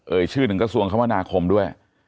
ชื่อถึงกระทรวงคมนาคมด้วย